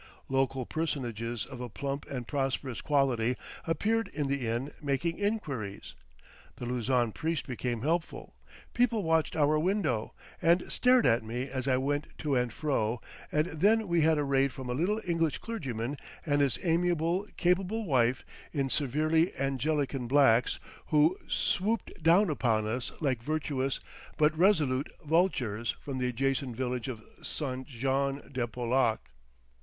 Local personages of a plump and prosperous quality appeared in the inn making inquiries, the Luzon priest became helpful, people watched our window, and stared at me as I went to and fro; and then we had a raid from a little English clergyman and his amiable, capable wife in severely Anglican blacks, who swooped down upon us like virtuous but resolute vultures from the adjacent village of Saint Jean de Pollack.